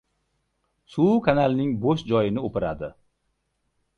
• Suv kanalning bo‘sh joyini o‘piradi.